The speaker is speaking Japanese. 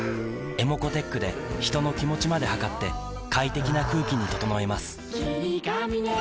ｅｍｏｃｏーｔｅｃｈで人の気持ちまで測って快適な空気に整えます